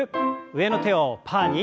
上の手をパーに。